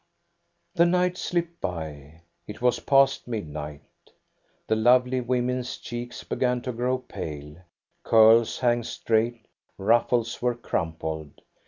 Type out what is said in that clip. The night slipped by ; it was past midnight. The lovely women's cheeks began to grow pale; curls hung straight, ruffles were crumpled.